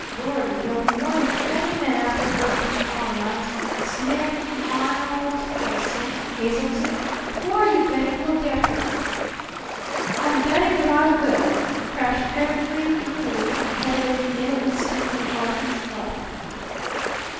"Lordy! There'll be more than forty men after her for to morrow night! Smith! Arnold! Hudson! Hazeltine! Who are you betting will get her?" "I'M BETTING THAT I WILL!" crashed every brutally competitive male instinct in Barton's body.